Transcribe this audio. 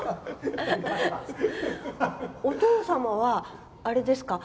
お父様は、あれですか？